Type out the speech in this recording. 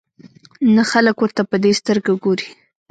نه خلک ورته په دې سترګه ګوري.